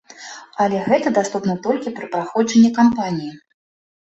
Але гэта даступна толькі пры праходжанні кампаніі.